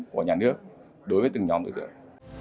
quyết định của nhà nước đối với từng nhóm thủ tướng